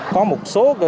có một số cơ sở